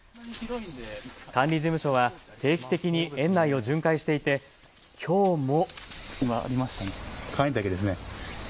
管理事務所は定期的に園内を巡回していて、きょうも。